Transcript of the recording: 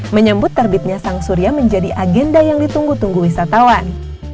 menyebut terbitnya sang surya menjadi agenda yang ditunggu tunggu wisatawan